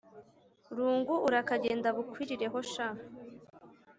Rungu urakagenda bukwirireho sha